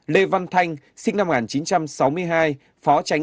lê văn thanh sinh năm một nghìn chín trăm sáu mươi hai phó tránh